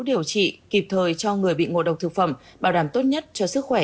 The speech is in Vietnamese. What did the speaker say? điều trị kịp thời cho người bị ngộ độc thực phẩm bảo đảm tốt nhất cho sức khỏe